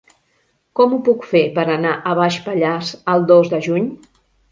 Com ho puc fer per anar a Baix Pallars el dos de juny?